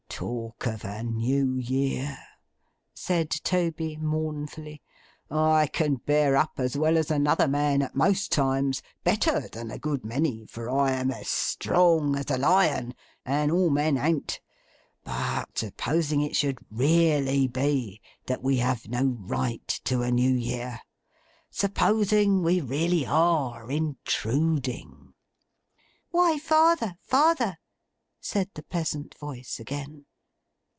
Talk of a New Year!' said Toby, mournfully. 'I can bear up as well as another man at most times; better than a good many, for I am as strong as a lion, and all men an't; but supposing it should really be that we have no right to a New Year—supposing we really are intruding—' 'Why, father, father!' said the pleasant voice again.